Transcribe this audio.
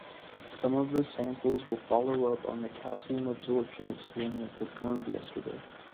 Some of the samples will follow-up on the calcium absorption experiment performed yesterday.